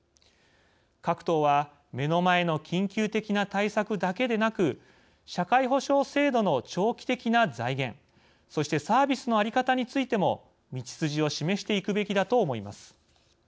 各党は目の前の緊急的な対策だけでなく社会保障制度の長期的な財源そしてサービスの在り方についても道筋を示していくべきだと思います。